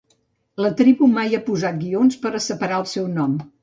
La tribu mai ha posat guions per a separar el seu nom.